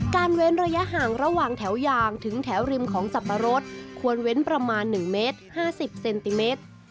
เว้นระยะห่างระหว่างแถวยางถึงแถวริมของสับปะรดควรเว้นประมาณ๑เมตร๕๐เซนติเมตร